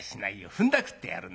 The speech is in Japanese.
ふんだくってやるんだ。